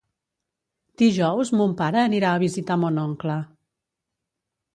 Dijous mon pare anirà a visitar mon oncle.